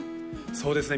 そうですね